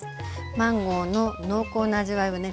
マンゴーの濃厚な味わいをね